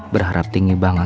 berharap tinggi banget